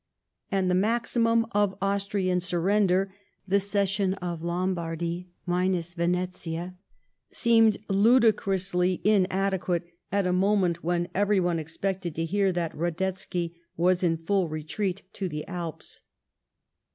And the maximum of Austrian surrender, the cession of Lombardy minus Venetia, seemed ludicrously inadequate at a moment when everyone expected to hear that Badetzky was in full retreat to the Alps.